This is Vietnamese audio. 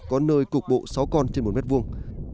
có nơi cục bộ sáu con trên một mét vuông